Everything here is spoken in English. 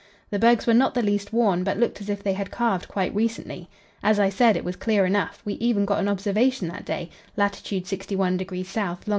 The bergs were not the least worn, but looked as if they had calved quite recently. As I said, it was clear enough, we even got an observation that day (lat. 61° S., long.